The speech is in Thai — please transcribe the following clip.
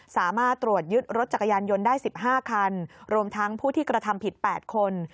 สามารถตรวจยึดรถจักรยานยนต์ได้๑๕คันรวมทั้งผู้ที่กระทำผิด๘คน